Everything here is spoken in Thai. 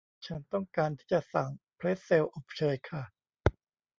ฉันต้องการที่จะสั่งเพรทเซลอบเชยค่ะ